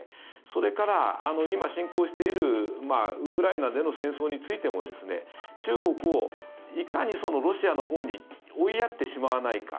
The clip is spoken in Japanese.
それから、今、侵攻しているウクライナでの戦争についても中国を、いかにロシアのほうに追いやってしまわないか。